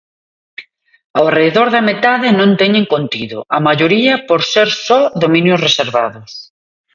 Ao redor da metade non teñen contido, a maioría por ser só dominios reservados.